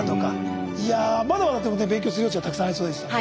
いやあまだまだでもね勉強する余地はたくさんありそうでしたね。